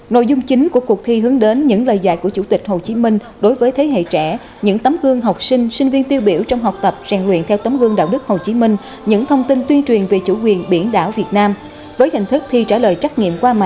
nội dung chính của cuộc thi hướng đến những lời dạy của chủ tịch hồ chí minh đối với thế hệ trẻ những tấm gương học sinh sinh viên tiêu biểu trong học tập rèn luyện theo tấm gương đạo đức hồ chí minh những thông tin tuyên truyền về chủ quyền biển đảo việt nam